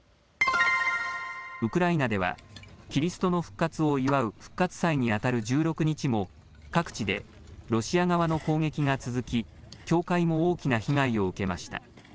ウクライナではキリストの復活を祝う復活祭にあたる１６日も各地でロシア側の攻撃が続き教会も大きな被害を受けました。